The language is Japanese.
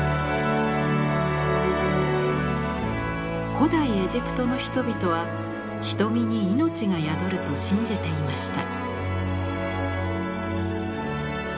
古代エジプトの人々は瞳に命が宿ると信じていました。